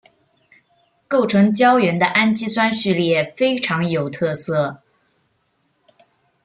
构成胶原的氨基酸序列非常有特色。